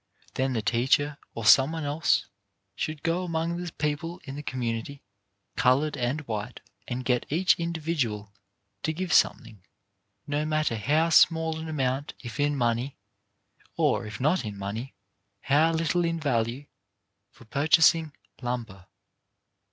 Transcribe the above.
Then the teacher or some one else should go among the people in the community, coloured and white, and get each individual to give something, no matter how small an amount if in money, or, if not in money, how little in value, for purchasing lumber.